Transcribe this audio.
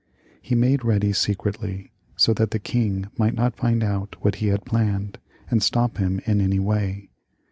He made ready secretly, so that the king might not find out what he had planned, and stop him in any way.